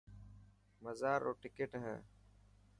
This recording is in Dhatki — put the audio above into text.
مزار رو ٽڪٽ هي.